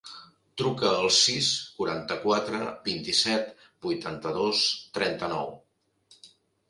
Truca al sis, quaranta-quatre, vint-i-set, vuitanta-dos, trenta-nou.